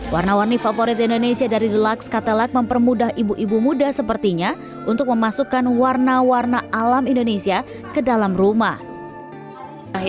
warna warni favorit indonesia dari deluxe catelak mempermudah ibu ibu muda sepertinya untuk memasukkan warna warna alam indonesia ke dalam rumah